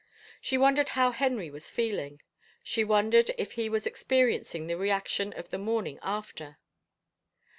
She wondered how Henry was feeling. She wondered if he was experiencing the reaction of the morning after.